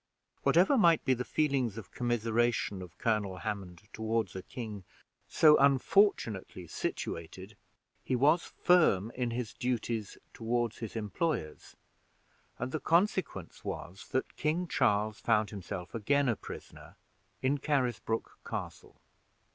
Whatever might be the feelings of commiseration of Colonel Hammond toward a king so unfortunately situated, he was firm in his duties toward his employers, and the consequence was that King Charles found himself again a prisoner in Carisbrook Castle.